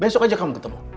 besok aja kamu ketemu